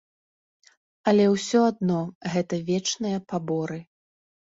Але ўсё адно, гэта вечныя паборы.